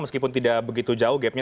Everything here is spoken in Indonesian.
meskipun tidak begitu jauh gapnya